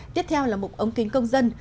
tiếp theo là một ống kính công dân